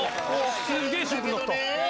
すげえシンプルだった。